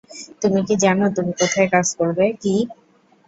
তুমি কি জানো তুমি কোথায় কাজ করবে, কি--?